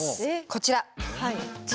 こちら。